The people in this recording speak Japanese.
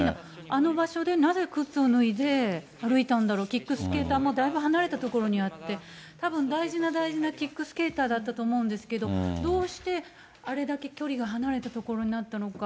あの場所でなぜ靴を脱いで歩いたんだろう、キックスケーターもだいぶ離れた所にあって、たぶん、大事な大事なキックスケーターだったと思うんですけど、どうして、あれだけ距離が離れた所にあったのか。